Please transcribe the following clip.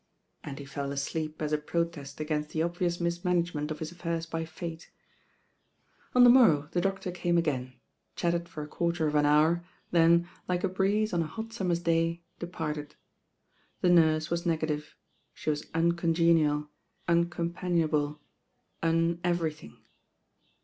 And he fell asleep as a protest against the obvious mismanagement of his affairs by fate. On the morrow the doctor came again, chatted for a quarter of an hour, then, like a breeze on a hot summer's day, departed. The nurse was nega tive: she was uncongenial, uncompanionable, un everything.